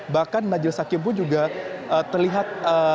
bahkan majelis hakim pun juga terlihat